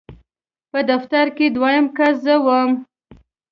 په دفتر کې دویم کس زه وم.